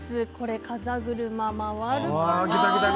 風車回るかな。